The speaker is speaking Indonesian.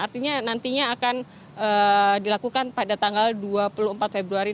artinya nantinya akan dilakukan pada tanggal dua puluh empat februari